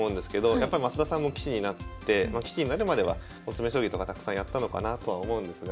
やっぱり増田さんも棋士になるまでは詰将棋とかたくさんやったのかなとは思うんですが。